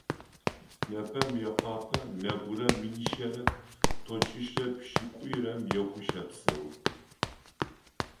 Непэ Мыкъуапэ нэбгырэ минишъэрэ тӏокӏищрэ пшӏыкӏуирэм ехъу щэпсэу.